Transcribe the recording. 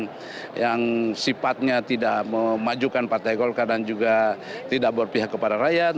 yang sifatnya tidak memajukan partai golkar dan juga tidak berpihak kepada rakyat